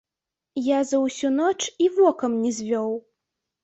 Я за ўсю ноч і вокам не звёў.